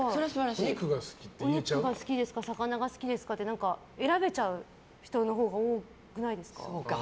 お肉が好きですか魚が好きですかって選べちゃう人のほうが多くないですか？